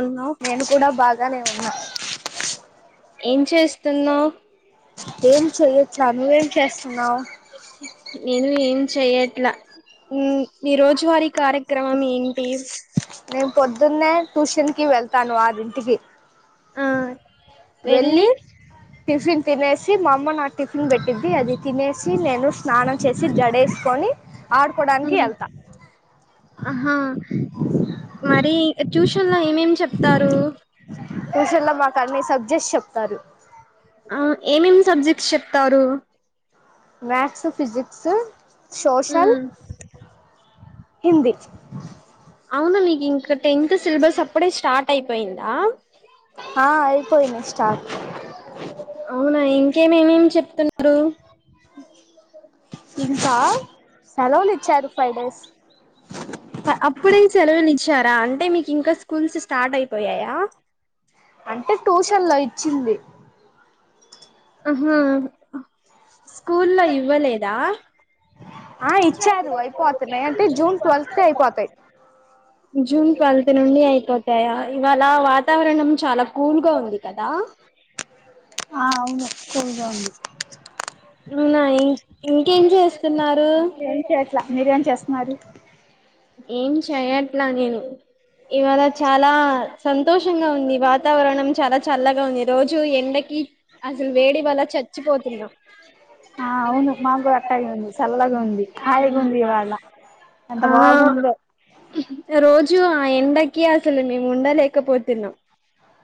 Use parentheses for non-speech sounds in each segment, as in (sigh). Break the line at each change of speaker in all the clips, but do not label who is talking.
ఉన్నావ్
నేను కూడా బాగానే ఉన్నా
ఏం చేస్తున్నావ్
ఏం చేయట్ల నువ్వేం చేస్తున్నావు
నేను ఏం చెయ్యట్లా మీ రోజు వారి కార్య క్రమం ఏంటి
నేను పొద్దున్నే ట్యూషన్ కి వెళ్తాను అరిన్టికి
ఆ వెళ్ళి
టిఫిన్ తినేసి మా అమ్మ నా టిఫిన్ తినిబెట్టిద్ది అది తినేసి నేను స్నానం చేసి జడేసుకొని ఆడుకోవడానికి వెళ్తా
అహా మరీ ట్యూ లో ఏమేమ్ ఏమ్ చ
ట్యూషన్లో మాకు అన్నీ సబ్ జస్ట్ చెప్తారు
ఏమేమి సబ్జెక్ట్
మ్యాథ్స్, ఫిజక్స్, సోషల్
మ్
హిందీ
అవునా నీకు ఇంక టెన్త్ సిలబస్ అప్పుడే స్టార్ట్ అయిపోయిందా!
ఆ అయిపోయిన స్టార్ట్
అవునా ఇంకేమేమేమి చెప్తున్నారు
ఇంకా సెలవులు ఇచ్చారు ఫైవ్ డేస్
అప్పుడేం సెలవు చ్చారా అంటే మీకు ఇంకా స్కూల్స్ స్టార్ట్ అయిపోయాయా
అంటే ట్యూషన్ లో ఇచ్చింది
ఆహా స్కూల్లో ఇవ్వలేదా
ఆ ఇచ్చారు అయిపోతున్నాయి అంటే జూన్ ట్వెల్త్ క అయిపోతాయి
జూన్ ట్వెల్త్ నుండి అయిపోతాయా ఇవాళ వాతావరణం చాలా కుల్గా ఉంది కదా
ఆ అవును కూల్ గా ఉంది
అవునా ఇం ఇంకేం చేసున్నారు
ఏం చేయట్లా చేస్తున్నారు
ఏం చెయట్లా నేను ఇవాళ చాలా సంతోషంగా ఉంది. వాతావరణం చాలా చల్లగా ఉంది. రోజు ఎండకి అసలు వేడి వాళ చచ్చిపోతున్నాం.
ఆ అవును మాకు కూడా అట్టాగే ఉంది చల్లగా ఉంది హాయిగా ఉంది ఇవాళ ఎంత బాగుందో
ఆ రోజు ఎండ క అస మీ ముండడాల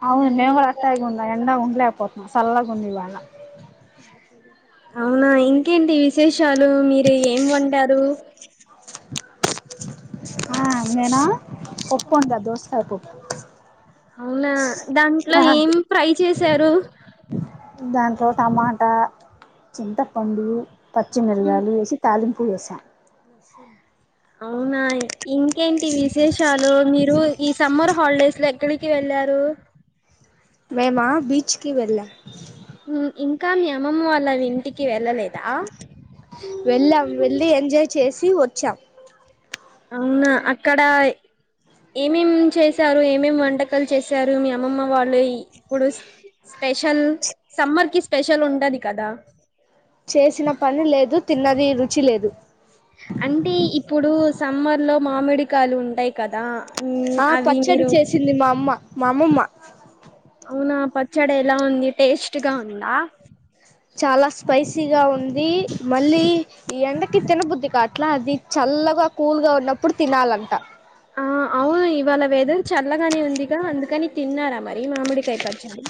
అవును మేము కూడా అట్టగి ఉంద ఎండలోఉంలే పోతున్నా సల్లగొండిఎవ్వల
అవునా ఇంకేంటి విశేషాలు మీరు ఏం వంటారు
ఆ మేనా పొప్పన్డ ద దోసకాయపప్ప
అవునా దాంట్లో ఏం ఫ్రై చేసి చెరు
దాంట్లో టమాటా చింతపండు
ఉమ్,
పచ్చిమిరగాయలు వేసి తాలిం ఒడిసా
అవునాయి ఇంకేంటి విశేషాలు మీరు ఈ సమ్మర్ హాలిడేస్ క్కళకి వెళ్ళారు
మే మా బీచ్కి వెళ్ళా
ఇంకా మీ అమ్మమ్మ వాళ్ళ ఇంటికి వెళ్ళలేదు
వెళ్ళాం వెళ్ళలి ఎంజాయ్ చేసి తీ వచ్చం
అవునా అక్కడ ఏమేం చేశారు, ఏమేం వంటకాలు చేసారు, మీ అమ్మమ్మ వాళ్ళు ఇ ఇప్పుడు స్పెషల్ సమ్మర్ కి స్పెషల్ ఉంటది కదా
చేసిన పని లేదు తిన్నది రుచి లేదు
అంటే ఇప్పుడు సమ్మర్ లో మామిడికాయలు ఉంటాయి కదా ఉమ్,
ఆ
అవి
పచ్చడి
మీరు
చేసింది మా అమ్మ మా అమ్మమ్మ
అవునా పచ్చడి ఎలా ఉంది టేస్ట్గా ఉందా
చాలా స్పైసీగా ఉంది, మళ్ళీ ఈ ఎండకి తినబుద్ది గాట్లా అది చల్లగా కూల్గా ఉన్నప్పుడు తినాలంట
ఆ అవును ఇవాళ వేద చల్లగానే ఉందిగా అందుకని తిన్నారా మరీ మామిడికై పచ్చండి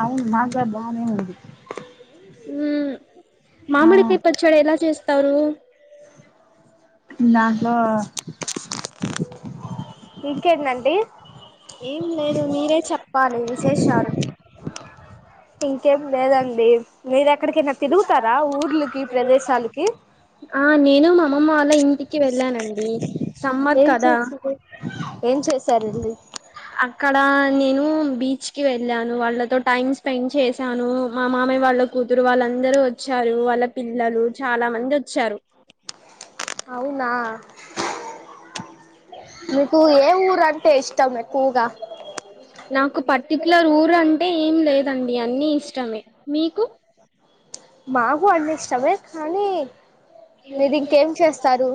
అవును మా చకా బాగానే ఉంది
మ్
ఆ
మామిడికాయ్ పచ్చడి ఎలా చేస్ తరు
నాకు ఇంకేటండ్ని
ఏం లేదు మీరే చెప్పాలి విశేషాలు
ఇంకేం లేదండి మీరు ఎక్కడికైనా తిరుగుతారా ఊర్లకి ప్రదేశాలకి
ఆ నేను మా అమ్మమ్మ వాళ్ళ ఇంటికి వెళ్ళానండి సమ్మర్
ఏం
కదా
చేస్తుంది ఏం చే సర్లే
అక్కడ నేను బీచ్ కి వెళ్ళాను వాళ్ళతో టైమ్ స్పెండ్ చేశాను మా మామయ వాళ్ళు కూతురు వాళ్ళందరూ వచ్చారు వాళ్ళ పిల్లలు చాలా మంది వచ్చారు
అవునా మీకు ఏ ఊరు అంటే ఇష్టం ఎక్కువగా
ఇట్ల రూర అంటే ఏం లేదండి అన్ని ఇష్టమే మీకు
మా అన్ని ఇష్టమే కానీ మీరు ఇంకేం చేస్తారు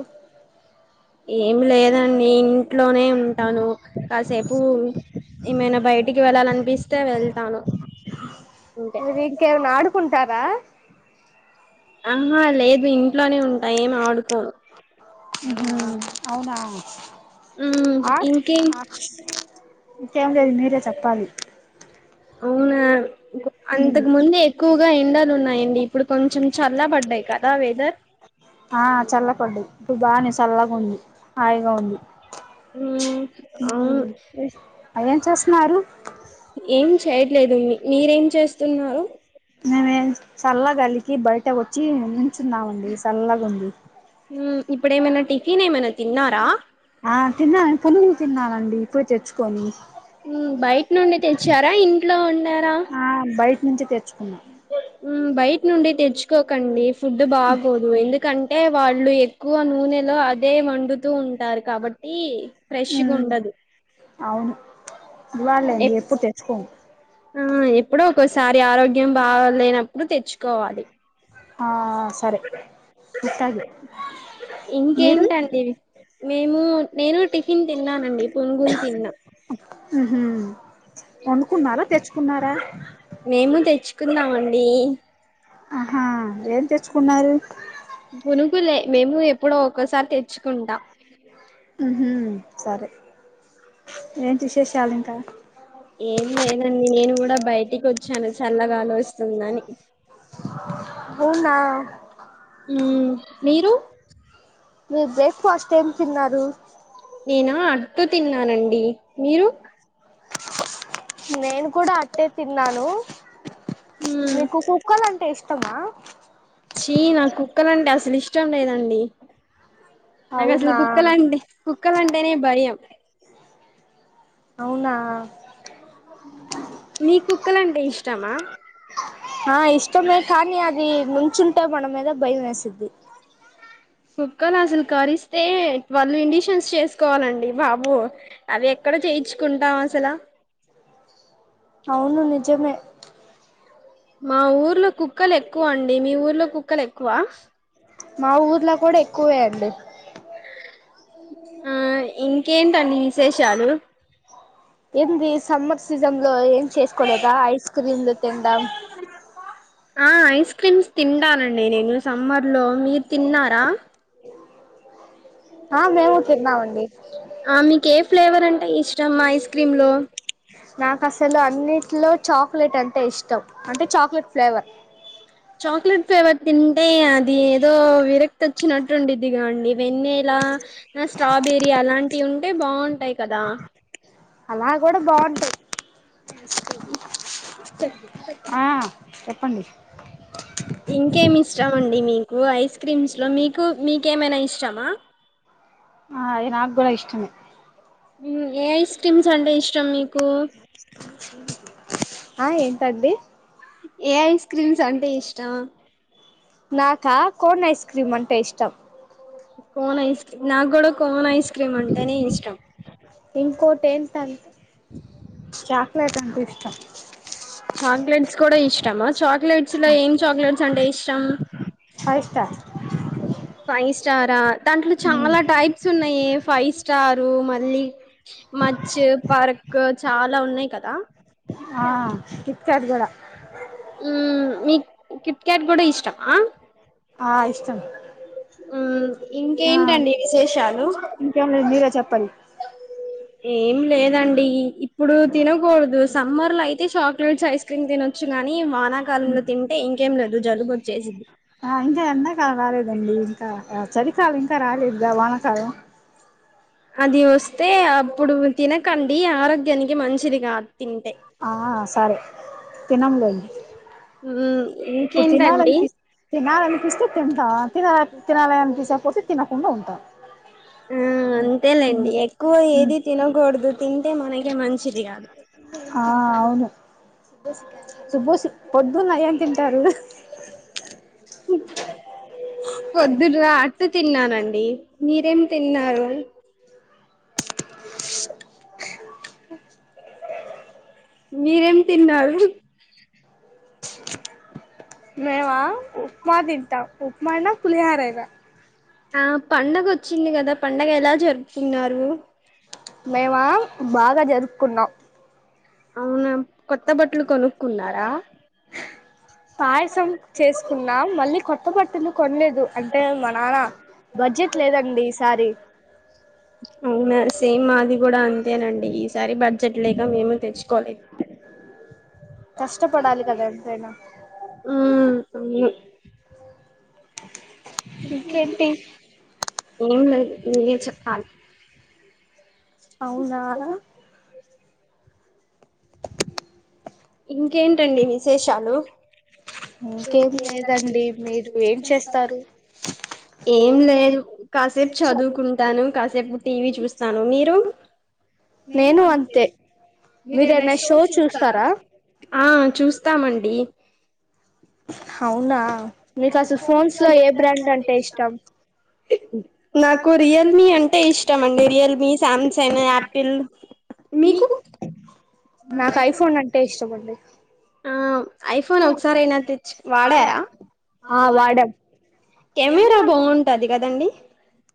ఏమి లేదండి ఇంట్లోనే ఉంటాను కాసేపు ఏమైనా బయట ఇటికి వెళ్లలినిపిస్తే వస్తే వెళ్తాను అంతె
టర
ఆహా లేదు ఇంట్లోనే ఉంటాయి ఎం ఆడుకోము
అవునా
మ్మ్ ఇంకేం
ఇంకేం లేదు మీరే చెప్పాలి
అవున అంతకు ముందు ఎక్కువగా ఎండలు ఉన్నాయండి ఇప్పుడు కొంచెం చల్లబడ్డాయి కదా వెదర్
ఆ చల్లబడ్డది.. ఇప్పుడు బాగానే చల్లగా ఉంది.. హాయిగా ఉంది
ఊ... ఊహు
ఆ ఏం చేస్తున్నారు
ఏం చేయట్లేదు మీ మీరేం చేస్తున్నారు
మేమే చల్లగాలికి బయట వచ్చి నించున్నామండి చల్లగా ఉంది
ఇప్పుడేమైనా టిఫిన్ ఏమైనా తిన్నారా
ఆ తిన్నానండి పునుకులు తిన్నానండి ఇప్పుడే తెచ్చుకొని
బయట నుండి తెచ్చారా ఇంట్లో ఉన్నారా
మంచిే చన్నా
బయట నుండి తెచ్చుకోకండి ఫుడ్ బాగాోదు ఎందుకం అంటే వాళ్ళు ఎక్కువ నూనెలో అదే వండుతూ ఉంటారు కాబట్టి ఈ
మ్మ్
ఫ్రెష్గాండదు
అవును ఇవ్వాలాండి ఎప్పుడు తెచ్చుకోము
హ ఎప్పుడో ఒక్కోసారి ఆరోగ్యం బాగాలేనప్పుడు తెచ్చు కోవడి
ఆ ఆ ఆ సరే గుత్తగే మీరు
ఇంకేంటండి మేము నేను టీ నేను తిన్నానండి పునుగులు తిన్నా
ఉహూ వండుకున్నారా తెచ్చుకున్నారా
బి
ఆహా ఏం తెచ్చుకున్నారు.
కులే మేము ఎప్పుడో ఒక్కోసారి తెచ్చుకుంట.
హ్మ్ సరే ఏంటి విశేషాలు ఇంకా
ఏం లేదండి నేను కూడా బయట్ టికొచ్చాను చల్లగాలోస్తుందని.
అవునా
ఉమ్ మీరు
మీరు బ్రేక్ఫాస్ట్ ఏం తిన్నారు
నేనా అట్టు తిన్నానండి మీరు
నేను కూడా అట్టే తిన్నాను మీకు కుక్కలు అంటే ఇష్టమా ఆ
చీ నాకుక్కలాంటే అసలు ఇష్టం లేదండి నాకు అసలు
అవునా
కుక్కలు అంటే కుక్కలు అంటేనే భయం
అవునా
నీకు కుక్కలంటే ఇష్టమా
ఆ ఇష్టమే కానీ అది ముంచుంటే మన మీద భయ వేసద్ది
కుక్కలు అసలు కరిస్తే ట్వెల్వ్ ఇండిషన్స్ చేసుకోవాలండి బాబు అవి ఎక్కడ చేయించుకుంటాం అసలు
అవును నిజమే
మా ఊర్లో కుక్కలు ఎక్కువ అండి మీ ఊర్లో కుక్ కుక్కలు ఎక్కువ
మా ఊర్లో కూడ ఎక్కువే అండి
ఆ ఇంకేంటండి విశేషాలు
ఏంది సమ్మర్ సీజన్ లో ఏం చేసుకోలేదా ఐస్ క్రీమ్లు తినడం
ఆ ఐస్ క్రీమ్స్ తింటానండి నేను సమ్మర్ లో మీరు తిన్నారా
ఆ మేము తిన్నామండి
ఆ మీకు ఏ ఫ్లేవర్ అంటే ఇష్టమ్ ఐస్ క్రీమ్ లో
నాకు అసలు అన్నిటిలో చాక్లెట్ అంటె ఇష్టం అంటే చాక్లెట్ ఫ్లేవర్
చాక్లెట్ ఫ్లేవర్ తింటే అది ఏదో విరక్ వచ్చినట్టుఉండిద్దిగా అండి వెన్న ఇలా ఆ స్ట్రాబెరీ అలాంటివి ఉంటె బాగుంటయి కదా
అలా కూడ బాగుంటయి ఆ చెప్పండి
ఇంకేమి ఇష్టం అండి మీకు ఐస్ క్రీమ్స్ లో మీకు మీకేమైన ఇష్టమా
ఆ అది నాకు కూడా ఇష్టమె
ఏ ఐస్ క్రీమ్స్ అే శ్రమకు
ఆ ఏంత అగది
ఏ ఐ స్ క్రీమ్స్ అంటే ఇష్టం
నాకా కోన్ ఐస్ క్రీమ్ అంటే ఇష్టం
కోన్ ఐస్ క్రీ నాకు కూడా కోన్ ఐస్ క్రీమ్ అంటేనే ఇష్టం
ఇంకో కోట ఎంత అంత చాక్లేెట్ అంత ఇష్టం
చాక్లెట్స్ కూడాడా ఇష్ట ప్రమాత్ చాక్లెట్స్ లో ఏం చాక్లెట్ చంటే ఇష్టం
ఫైస్టర్
ఫైస్టారా దాంట్లో చాలా టైప్స్ ఉన్నాయే ఫైవ్స్ స్టారు మళ్ళీ మచ్ పర్కు చా అలా ఉన్నాయి కదా
ఆ చాద్ గూడ
మీ కిట్కాట్ కూడా ఇష్టమా
ఆ ఇష్టం
ఊ
ఆ
ఇంకేంటండి విశేషాలు
ఇంకేం లేదు మీరే చెప్పాలి
ఏం లేదండి ఇప్ ప్పుడు తినకూడదు సమ్మర్ లో అయిత్ తే చాక్లెట్స్ ఐస్ క్రీమ్ తినొచ్చు గానీ వానాకాలంలో తింటే ఇంకేం లేదు జలుబు వచ్చేసిద్ది
ఆ ఇంకా చ ఇంకా రాలేద్ గా వానకాల
అది వస్తే అప్పుడు తినకండి ఆరోగ్యానికి మంచిది కాద్
ఆ సరే తినంలేండి
మ్మ్
ఇప్పుడు
ఇంకేంటండి
తినాలనిపిస్ తినాలనిపిస్తే తింటాం తినాలా తినాల అనిపిసకపోతే తినం ఉంగ ఉంటా
ఊ అంతేలేండి
అంతే
ఎక్కువ ఏది తినకూడదు తింటే మనక్ కే మంచ్
ఆ అవును సుభోష్ పొద్దున్న ఏంతింటారు హు
పొద్దుట రా టు తిన్నానండి మీరేంతిన్నారు మీరేంతిన్నారు
మేమా ఉప్మా తింటాం ఉప్మా అయినా పులిహార అయిన
ఆ పండగ ఓచ్చింది కదా పండగ ఎలా జరుపుకున్నారు
మేమా బాగా జరుపుకున్నాం
అవును కొత్త బట్టలు కొనుక్కున్నారా?
పాయసం చేసుకున్నాం. మళ్ళీ కొత్త బట్టలు కొనలేదు అంటే మా నానా బడ్జెట్ లేదండి ఈసారి.
అవునా సేమ్ మాది కూడా అంతేనండి సారి బడ్జెట్ లేక మేము తెచ్చుకోలేదు
కష్టపడాలి కదా ఎంతైనా
ఉమ్ అన్ని
(inaudible) ఇంకేంటి
ఏంలేదు నువ్వే చెప్పాలి
అవునాహ
ఇంకేంటండి విశేషాలు
ఇంకేం లేదండి మీరు ఏం చేస్తారు
ఏం లేదు కాసేపు చదువుకుంటాను, కాసేపు టీవీ చూస్తాను మీరు నేను అంతే. మీరెన్నా షో చూస్తారా? ఆ చూస్తామండి. (inaudible)
అవునా మీకు అసలు ఫోన్స్ లో ఏ బ్రాండ్ అంటే ఇష్టం
నాకు రియల్మీ అంటే ఇష్టం అండి రియల్మీ సామ్సంగ్ యాపిల్ మీకు
నాకు ఐఫోన్ అంటే ఇష్టమండి
ఆ ఐఫోన్ ఒకసారి అయినా తెచ్చి వాడారా
ఆ వాడాం
కెమెరా బాగుంటది గదండి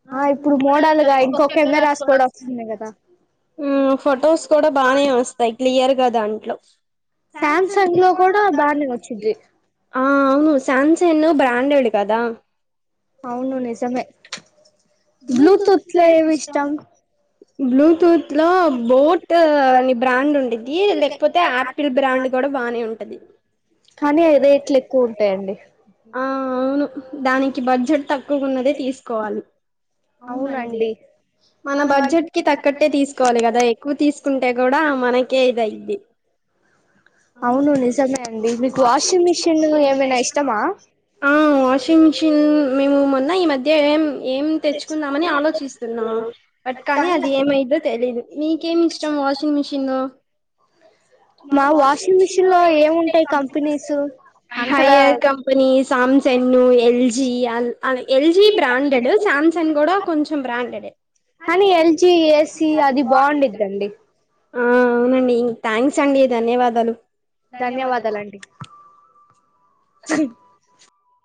(inaudible)
ఆ ఇప్పుడు మోడల్ గా ఇంకో కెమెరాస్ కూడా వస్తున్నాయి కదా
హమ్ ఫొటోస్ కూడా బానే వస్తాయి క్లియర్గా దాంట్లో
సామ్ సాంగ్లో కూడా బాగానే వచ్చింది
ఆ అవును శామ్సంగ్ బ్రాండెడ్ కదా
అవును నిజమే
బ్లూటూత్ ఏమి ఇష్టం. బ్లూటూత్ లో బోట్ అని బ్రాండ్ ఉండిది లేకపోతే ఆపిల్ బ్రాండ్ కూడా బానే ఉంటది. ఆ
హా
అవును
(inaudible)
దానికి బడ్జెట్ తక్
అవునండి
మన బడ్జెట్ కి తగ్గట్టే తీసుకోవాలి కదా ఎక్కువ తీసుకుంటే కూడా మనకే ఇది అయిద్ది
అవును నిజమే అండి మీకు వాషింగ్ మిషిన్ ఏమైనా ఇష్టమా
ఆ వాషింగ్ మిషిన్ మేము మొన్న ఈ మధ్య దే ఏం ఏం తెచ్చుకుందామని ఆలోచిస్తున్నా బట్ కానీ అది ఏమైద్దో తెలీదు మీకేం ఇష్టం వాషింగ్ మిషనలో
మా వాషింగ్ మిషిన్ లో ఏముంటాయి కంపెనీస్ అంతగా
వీల్ Samsung L L G ఇ ఎల్ అడ ఎల్‌ జీ బ్రాండెడ్ శామ్‌సంగ్ కూడా కొంచెం బ్రాండెడ్ ఏ
కానీ ఎల్జీ ఏసీ అది బాగుండిద్దండి
అ అవునండి థ్యాంక్స్ అండి ధన్యవాదాలు
ధన్యవాదాలండి